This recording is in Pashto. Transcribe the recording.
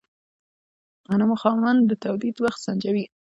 د غنمو خاوند د تولید وخت سنجوي.